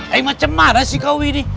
eh macem mana sih kau ini